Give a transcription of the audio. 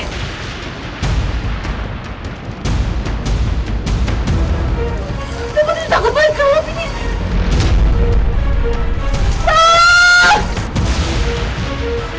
gak mau nembati lagi